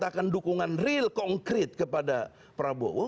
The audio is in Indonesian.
menyatakan dukungan real konkret kepada prabowo